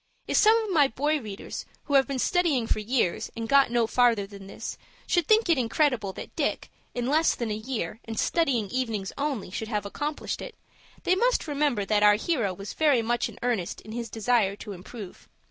If some of my boy readers, who have been studying for years, and got no farther than this, should think it incredible that Dick, in less than a year, and studying evenings only, should have accomplished it, they must remember that our hero was very much in earnest in his desire to improve.